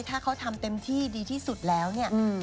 ถ้าเขาทำเต็มที่ดีที่สุดแล้วเนี่ย